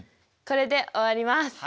これで終わります。